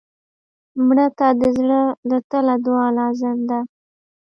مړه ته د زړه له تله دعا لازم ده